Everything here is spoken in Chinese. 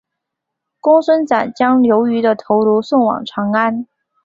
公孙瓒将刘虞的头颅送往长安。